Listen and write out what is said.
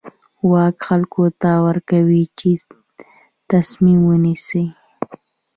واک خلکو ته ورکوي چې تصمیم ونیسي.